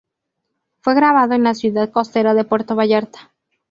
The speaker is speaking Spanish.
Fue grabado en la ciudad costera de Puerto Vallarta.